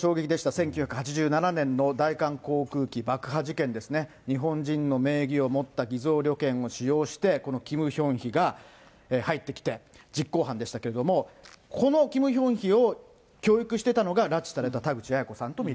１９８７年の大韓航空機爆破事件ですね、日本人の名義を持った偽造旅券を使用して、このキム・ヒョンヒが入ってきて、実行犯でしたけれども、このキム・ヒョンヒを教育していたのが拉致された田口八重子さん